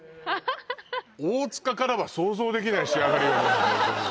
大塚からは想像できない仕上がりよね